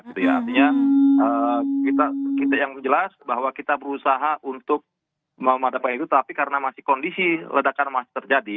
artinya yang jelas bahwa kita berusaha untuk mendapatkan itu tapi karena masih kondisi ledakan masih terjadi